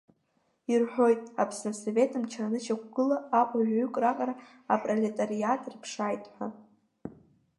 Ирҳәоит, Аԥсны асовет мчра анышьақәгыла, Аҟәа жәаҩык раҟара апролетариат рыԥшааит ҳәа.